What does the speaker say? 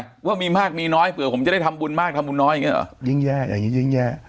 เพราะว่ามีมากมีน้อยเผื่อผมจะได้ทำบุญมากทำบุญน้อยอย่างเงี้เหรอยิ่งแย่อย่างนี้ยิ่งแย่